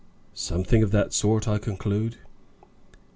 "Something of that sort, I conclude."